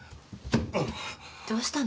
どうしたの？